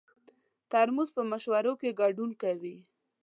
ترموز په مشورو کې ګډون کوي.